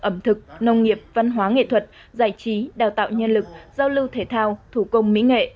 ẩm thực nông nghiệp văn hóa nghệ thuật giải trí đào tạo nhân lực giao lưu thể thao thủ công mỹ nghệ